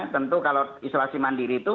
tentu kalau isolasi mandiri itu